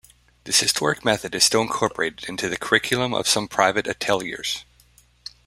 This historic method is still incorporated into the curriculum of some private ateliers.